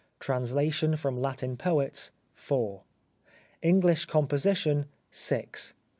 Translation from Latin Poets — 4. English Composition — 6.